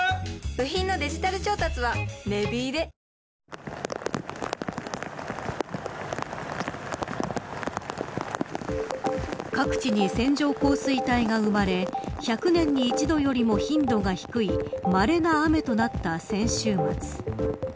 損保ジャパン各地に線状降水帯が生まれ１００年に一度よりも頻度が低いまれな雨となった先週末。